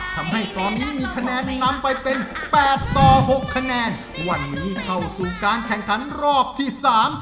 ทำให้ตอนนี้มีคะแนนนำไปเป็นแปดต่อหกคะแนนวันนี้เข้าสู่การแข่งขันรอบที่สาม